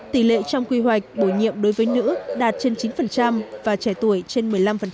tỷ lệ trong quy hoạch bổ nhiệm đối với nữ đạt trên chín và trẻ tuổi trên một mươi năm